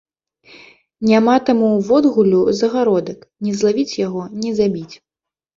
Няма таму водгуллю загародак, не злавіць яго, не забіць.